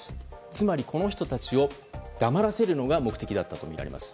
つまりこの人たちを黙らせるのが目的だったといいます。